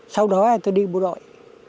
sau đó tôi đi bộ đội